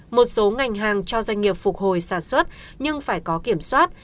một số ngành hàng cho doanh nghiệp phục hồi sản xuất nhưng phải có kiểm soát